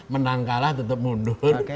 menang kalah tetap mundur